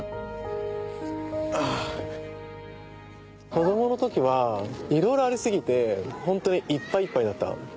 子供の時はいろいろあり過ぎてホントにいっぱいいっぱいだったの。